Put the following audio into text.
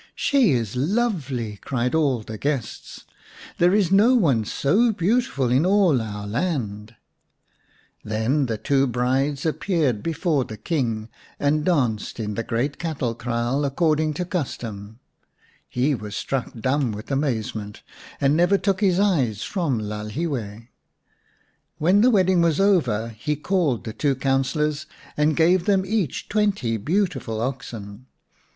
" She is lovely !" cried all the guests. " There is no one so beautiful in all our land !" When the two brides appeared before the King and danced in the great cattle kraal according to custom, he was struck dumb with amazement, and never took his eyes from Lalhiwe. When the wedding was over he called the two councillors and gave them each twenty beautiful oxen.